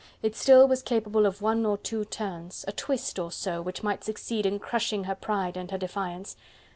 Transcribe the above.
It still was capable of one or two turns, a twist or so which might succeed in crushing her pride and her defiance.